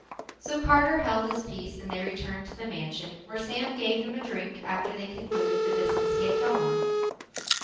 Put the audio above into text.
So Carter held his peace and they returned to the mansion where Sam gave him a drink after they concluded the business he had come on.